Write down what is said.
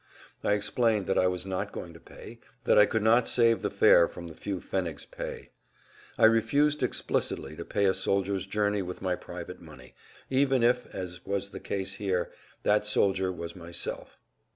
I explained that I was not going to pay, that I could not save the fare from the few pfennigs' pay. I refused explicitly to pay a soldier's journey with my private money, even if—as was the case here—that soldier was myself.